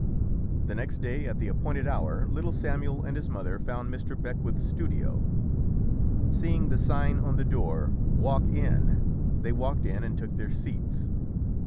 The next day at the appointed hour, little Sam uel and his mother found Mr. Beckwith's studio. Seeing the sign on the door "Walk In" they walked in and took their seats.